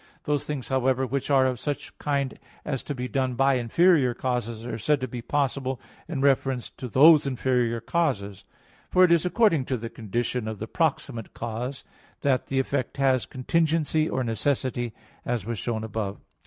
Those things, however, which are of such kind as to be done by inferior causes are said to be possible in reference to those inferior causes. For it is according to the condition of the proximate cause that the effect has contingency or necessity, as was shown above (Q. 14, A. 1, ad 2).